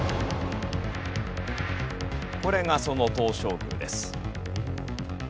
これがその東照宮です。